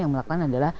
yang melakukan adalah